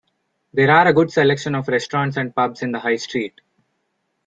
There are a good selection of restaurants and pubs in the High Street.